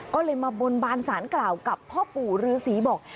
ก็เลยมาบนบานสารกล่าวกับพ่อปู่ฤษีบอก